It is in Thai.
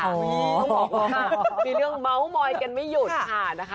ต้องบอกว่ามีเรื่องเมาส์มอยกันไม่หยุดค่ะนะคะ